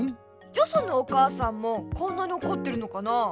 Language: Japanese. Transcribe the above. よそのお母さんもこんなにおこってるのかなあ？